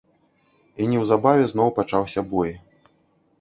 І неўзабаве зноў пачаўся бой.